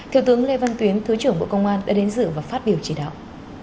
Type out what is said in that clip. thiếu tướng lê văn tuyến thứ trưởng bộ công an đã đến dự và phát biểu chỉ đạo